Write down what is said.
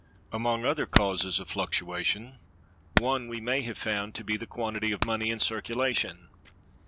Among other causes of fluctuation, one we have found to be the quantity of money in circulation.